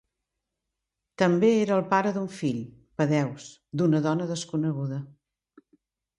També era el pare d'un fill, Pedaeus, d'una dona desconeguda.